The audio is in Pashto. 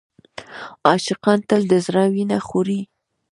عاشقان تل د زړه وینه خوري.